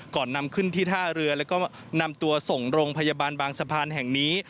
ก่อนนำขึ้นที่ท่าเรือแล้วก็นำตัวส่งโรงพยาบาลบางสะพานแห่งนี้